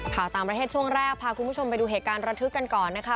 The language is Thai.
ข่าวต่างประเทศช่วงแรกพาคุณผู้ชมไปดูเหตุการณ์ระทึกกันก่อนนะคะ